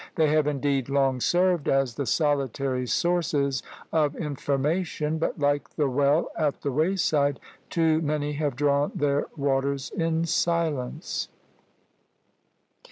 They have indeed long served as the solitary sources of information but like the well at the wayside, too many have drawn their waters in silence.